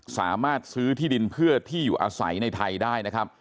สามารถซื้อที่ดินเพื่อที่อยู่อาศัยในไทยได้นะครับ